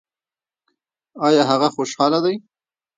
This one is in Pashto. ایا هغه خوشحاله دی؟